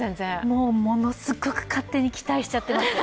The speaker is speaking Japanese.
もう、ものすごく勝手に期待しちゃってます。